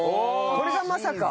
これがまさか。